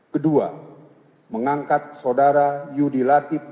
kedua mengangkat saudara yudi latif